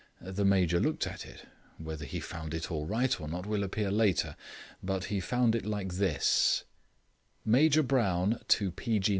The Major looked at it; whether he found it all right or not will appear later, but he found it like this: Major Brown to P. G.